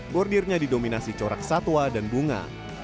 bordirnya didominasi corak satwa dan bunga